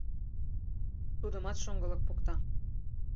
Тудымат шоҥгылык покта.